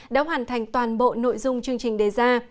đã hoàn thành toàn bộ nội dung chương trình đề ra